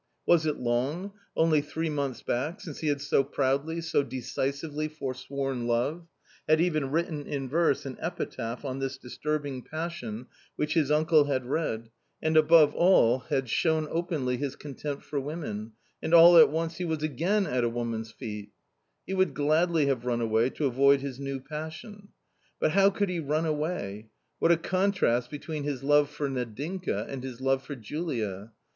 Was it long — only three months back — since he had so proudly, so decisively forsworn love, had even written in verse an epitaph on this disturbing passion which his uncle had read, and had above all shown openly his contempt for women, and all at once he was again at a woman's feet He would gladly have run away to avoid his new passion. But how could he run away ? What a contrast between his love for Nadinka and his love for Julia.